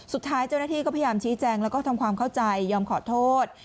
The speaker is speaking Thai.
สุดท้ายเจ้าหน้าที่ก็พยายามชี้แจงแล้วก็ทำความเข้าใจยอมขอโทษ